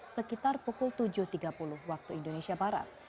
sekitar pukul tujuh tiga puluh waktu indonesia barat